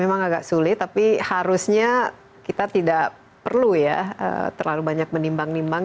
memang agak sulit tapi harusnya kita tidak perlu ya terlalu banyak menimbang nimbang